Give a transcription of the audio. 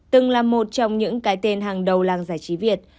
từng là một trong những cái tên hàng đầu làng giải trí việt